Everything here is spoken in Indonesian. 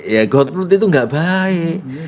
ya golput itu nggak baik